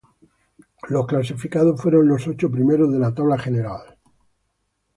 Los clasificados fueron los ocho primeros de la tabla general.